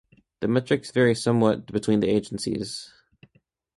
The metrics vary somewhat between the agencies.